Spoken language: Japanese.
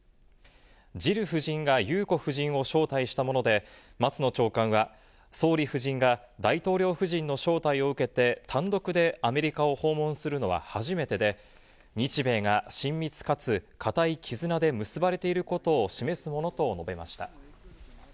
ジル夫人が裕子夫人を招待したもので、松野長官は総理夫人が大統領夫人の招待を受けて、単独でアメリカを訪問するのは初めてで、日米が親密かつ、固い絆で結ばれていることを示すものと述べました。